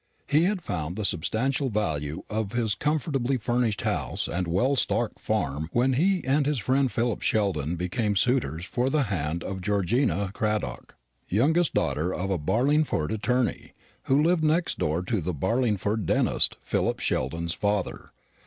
He had found the substantial value of his comfortably furnished house and well stocked farm when he and his friend Philip Sheldon became suitors for the hand of Georgina Cradock, youngest daughter of a Barlingford attorney, who lived next door to the Barlingford dentist, Philip Sheldon's father.